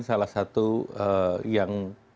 salah satu yang